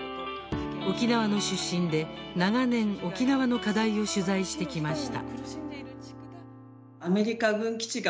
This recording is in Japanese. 沖縄の出身で、長年沖縄の課題を取材してきました。